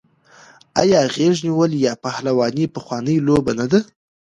آیا غیږ نیول یا پهلواني پخوانۍ لوبه نه ده؟